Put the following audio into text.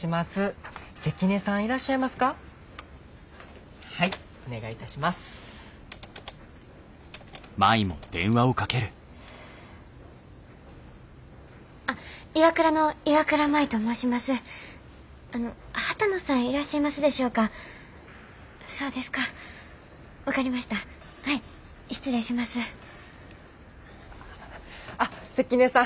あっ関根さん